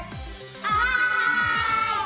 はい！